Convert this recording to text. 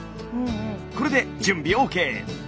これで準備ＯＫ。